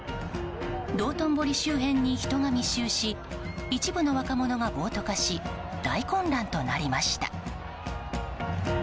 道頓堀周辺に人が密集し一部の若者が暴徒化し大混乱となりました。